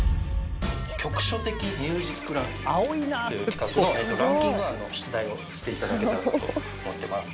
局所的ミュージックランキングという企画のランキング案の出題をして頂けたらと思ってます。